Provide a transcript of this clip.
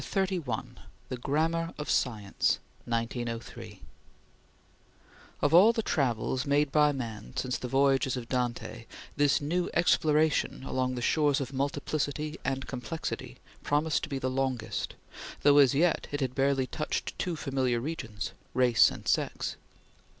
CHAPTER XXXI THE GRAMMAR OF SCIENCE (1903) OF all the travels made by man since the voyages of Dante, this new exploration along the shores of Multiplicity and Complexity promised to be the longest, though as yet it had barely touched two familiar regions race and sex.